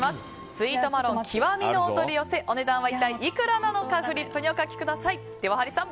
スイートマロン極のお取り寄せお値段は一体いくらなのかフリップにお書きください。